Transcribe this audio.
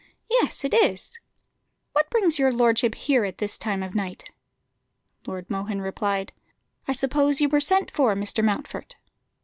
"Yes, it is." "What brings your lordship here at this time of night?" Lord Mohun replied "I suppose you were sent for, Mr. Mountfort?"